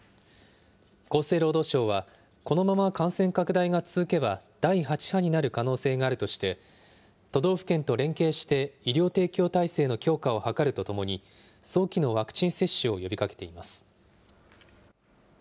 厚生労働省は、このまま感染拡大が続けば、第８波になる可能性があるとして、都道府県と連携して医療提供体制の強化を図るとともに、早期のワクチン接種を呼びかけています。